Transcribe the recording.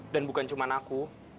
dan bukan cuma aku